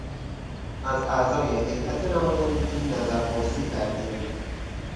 از اعضای هیات نمایندگی نظر پرسی کردیم.